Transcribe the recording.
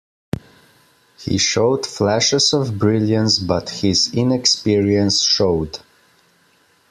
He showed flashes of brilliance, but his inexperience showed.